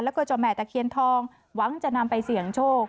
แล้วก็เจ้าแม่ตะเคียนทองหวังจะนำไปเสี่ยงโชค